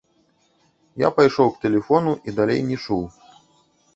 Я пайшоў к тэлефону і далей не чуў.